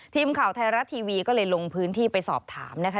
ทีมข่าวไทยรัฐทีวีก็เลยลงพื้นที่ไปสอบถามนะคะ